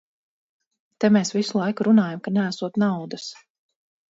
Te mēs visu laiku runājam, ka neesot naudas.